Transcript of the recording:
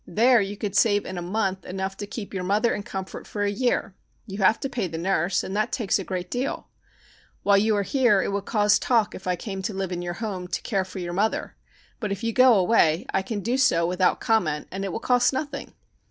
There you could save in a month enough to keep your mother in comfort for a year. You have to pay the nurse, and that takes a great deal. While you are here it would cause talk if I came to live in your home to care for your mother but if you go away I can do so without comment and it will cost nothing.